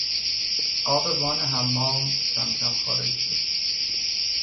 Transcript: آب وان حمام کمکم خارج شد.